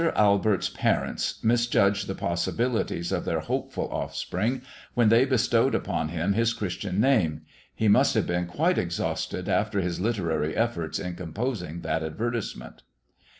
Albert's parents misjudged the possibilities of their hopeful offspring when they bestowed upon him his Christian name. He must have been quite exhausted after his literary effort in composing that advertisement.